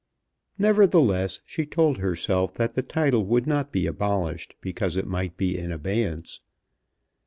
Nevertheless, she told herself that the title would not be abolished, because it might be in abeyance.